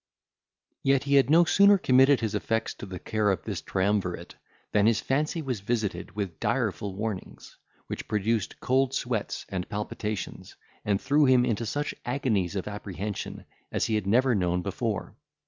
Yet, he had no sooner committed his effects to the care of this triumvirate, than his fancy was visited with direful warnings, which produced cold sweats and palpitations, and threw him into such agonies of apprehension as he had never known before.